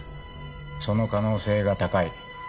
その可能性が高い。